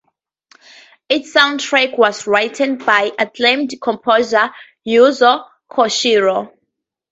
Its soundtrack was written by acclaimed composer Yuzo Koshiro.